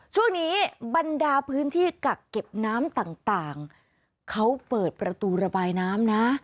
บรรดาพื้นที่กักเก็บน้ำต่างเขาเปิดประตูระบายน้ำนะ